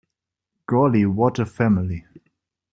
Golly, what a family!